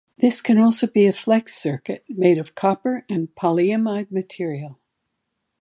This can also be a flex circuit made of copper and polyimide material.